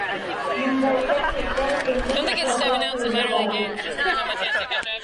مۇنبەرگە كىرسە جەڭگاھ پۇراپلا تۇرىدۇ زادى.